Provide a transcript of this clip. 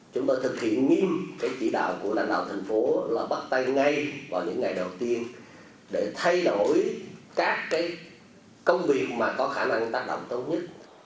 chúng tôi thực hiện nghiêm cái chỉ đạo của lãnh đạo thành phố là bắt tay ngay vào những ngày đầu tiên để thay đổi các công việc mà có khả năng tác động tốt nhất